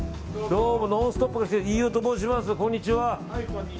どうも「ノンストップ！」の飯尾と申します、こんにちは。